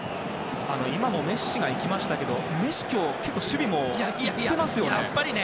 今も、メッシが行きましたけれどもメッシ今日結構、守備もやってますよね。